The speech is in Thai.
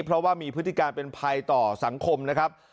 เพราะว่ามีพฤติการเป็นภัยต่อสังคมนะครับ